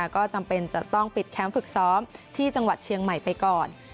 ก็จำเป็นจะต้องปิดแคมป์ฝึกซ้อมที่จังหวัดเชียงใหม่ไปก่อน